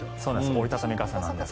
折り畳み傘なんです。